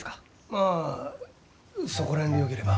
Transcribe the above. まあそこら辺でよければ。